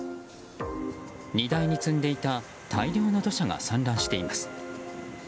荷台に積んでいた大量の土砂が散乱しています。